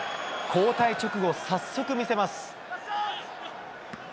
交代直後、早速見せます。